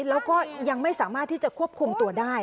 แล้วก็ยังไม่สามารถที่จะควบคุมตัวได้